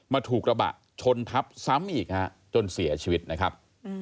ถูกกระบะชนทับซ้ำอีกจนเสียชีวิตนะครับ